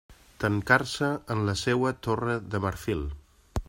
Tancar-se en la seua torre de marfil.